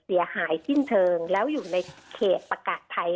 เสียหายสิ้นเทิงแล้วอยู่ในเขตประกาศไทย